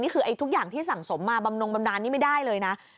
ทุกอย่างที่สั่งสมมาบำนงบำนานนี่ไม่ได้เลยนะ